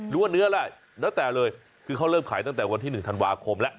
ว่าเนื้ออะไรแล้วแต่เลยคือเขาเริ่มขายตั้งแต่วันที่๑ธันวาคมแล้ว